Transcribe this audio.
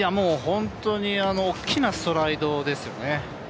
本当に大きなストライドですよね。